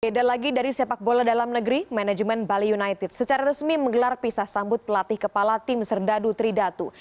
beda lagi dari sepak bola dalam negeri manajemen bali united secara resmi menggelar pisah sambut pelatih kepala tim serdadu tridatu